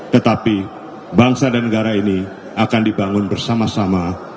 tetapi bangsa dan negara ini akan dibangun bersama sama